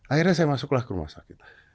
akhirnya saya masuklah ke rumah sakit